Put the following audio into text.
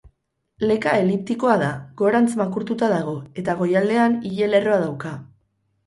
Leka eliptikoa da, gorantz makurtuta dago, eta goialdean ile-lerroa dauka.